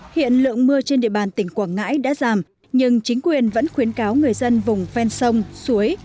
hiện lượng mưa trên địa bàn tỉnh quảng ngãi đã giảm nhưng chính quyền vẫn khuyến cáo người dân vùng ven sông suối